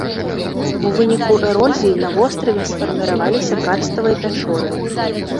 У выніку эрозіі на востраве сфарміраваліся карставыя пячоры.